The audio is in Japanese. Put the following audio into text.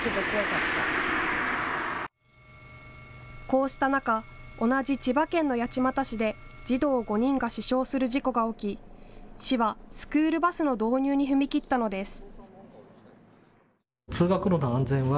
こうした中、同じ千葉県の八街市で児童５人が死傷する事故が起き市はスクールバスの導入に踏み切ったのです。